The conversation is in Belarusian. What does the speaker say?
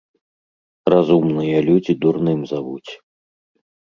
Разумныя людзі дурным завуць.